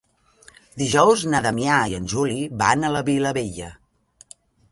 Dijous na Damià i en Juli van a la Vilavella.